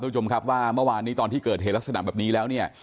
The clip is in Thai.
คุณผู้ชมครับว่าเมื่อวานนี้ตอนที่เกิดเหตุลักษณะแบบนี้แล้วเนี่ย